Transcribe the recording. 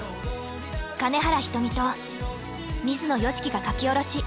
金原ひとみと水野良樹が書き下ろし。